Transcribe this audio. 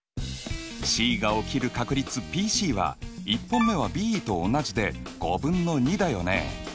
Ｃが起きる確率Ｐは１本目はＢと同じで５分の２だよね。